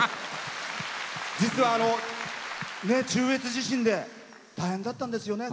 実は中越地震で大変だったんですよね。